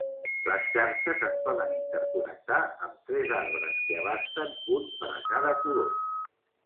Les xarxes es poden interconnectar amb tres arbres que abasten, un per a cada color.